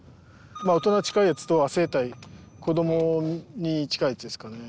大人に近いやつと亜成体子どもに近いやつですかね。